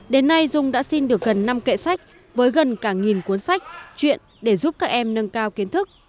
đến nay dung đã xin được gần năm kệ sách với gần cả nghìn cuốn sách chuyện để giúp các em nâng cao kiến thức